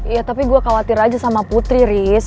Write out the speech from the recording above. ya tapi gue khawatir aja sama putri